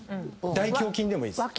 大胸筋でもいいです。